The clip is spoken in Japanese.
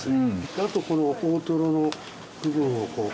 あとこの大トロの部分をこう。